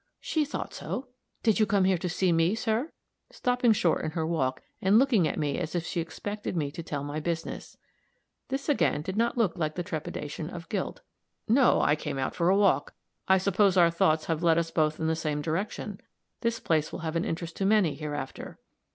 "She thought so. Did you come here to see me, sir?" stopping short in her walk, and looking at me as if she expected me to tell my business. This again did not look like the trepidation of guilt. "No. I came out for a walk. I suppose our thoughts have led us both in the same direction. This place will have an interest to many, hereafter."